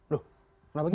loh kenapa gitu